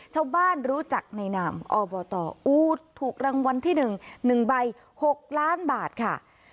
ชาวบ้านรู้จักในนามอบตอู๊ดถูกรางวัลที่๑๑ใบ๖ล้านบาทค่ะ